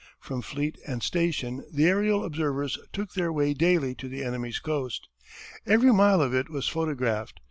From fleet and station the aërial observers took their way daily to the enemy's coast. Every mile of it was photographed.